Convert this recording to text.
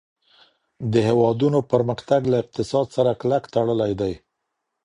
د هېوادونو پرمختګ له اقتصاد سره کلک تړلی دی.